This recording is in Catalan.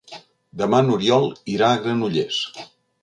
Demà n'Oriol irà a Granollers.